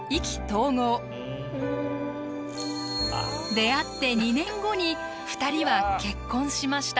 出会って２年後に２人は結婚しました。